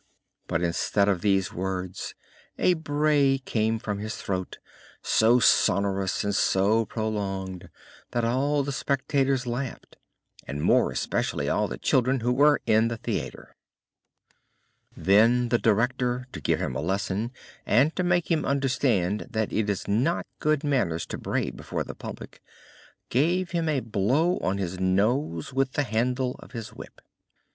But instead of these words a bray came from his throat, so sonorous and so prolonged that all the spectators laughed, and more especially all the children who were in the theater. Then the director, to give him a lesson, and to make him understand that it is not good manners to bray before the public, gave him a blow on his nose with the handle of his whip.